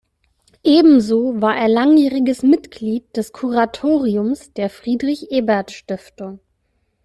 Ebenso war er langjähriges Mitglied des Kuratoriums der Friedrich-Ebert-Stiftung.